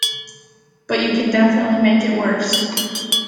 But you can definitely make it worse.